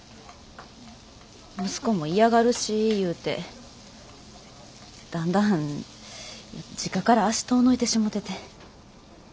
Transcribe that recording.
息子も嫌がるしいうてだんだん実家から足遠のいてしもてて。